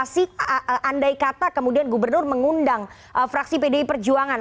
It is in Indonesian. kalau maju ke interprensa andai kata kemudian gubernur mengundang fraksi pdi perjuangan